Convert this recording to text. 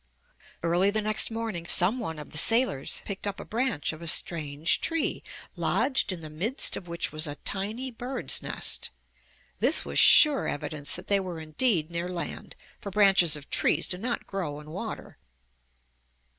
Early the next morning some one of the sailors picked up a branch of a strange tree, lodged in the midst of which was a tiny bird's nest. This was sure evidence that they were indeed near land, for branches of trees do not grow in water.